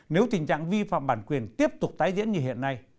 nếu tình trạng vi phạm bản quyền tiếp tục tái diễn như hiện nay